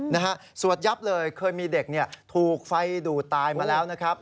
นะฮะสวดยับเลยเคยมีเด็กเนี่ยถูกไฟดูดตายมาแล้วนะครับ